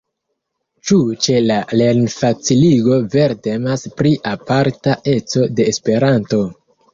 Ĉu ĉe la lernfaciligo vere temas pri aparta eco de Esperanto?